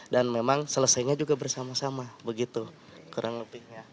dan memang selesainya juga bersama sama begitu kurang lebihnya